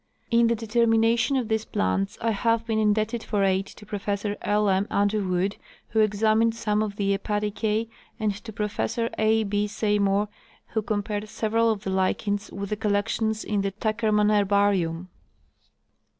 In the determination of these plants I have been indebted for aid to Professor L. M. Underwood, who examined some of the Hepaticx, and to Professor A. B. Seymour, who compared several of the lichens with the collections in the Tuckerman herbarium.